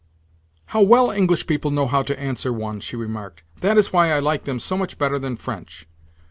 "How well English people know how to answer one!" she remarked. "That is why I like them so much better than French.